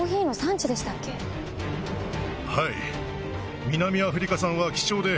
はい。